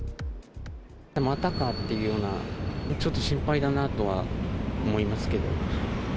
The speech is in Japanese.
またかっていうような、ちょっと心配だなとは思いますけど。